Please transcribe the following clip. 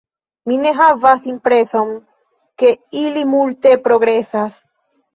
Mi ne havas impreson, ke ili multe progresas.